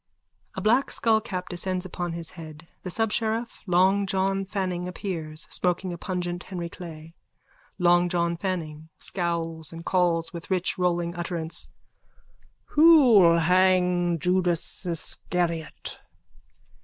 (A black skullcap descends upon his head.) (The subsheriff Long John Fanning appears, smoking a pungent Henry Clay.) LONG JOHN FANNING: (Scowls and calls with rich rolling utterance.) Who'll hang Judas Iscariot?